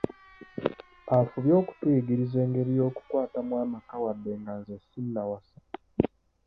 Afubye okutuyigiriza engeri y'okukwatamu amaka wadde nga nze sinnawasa.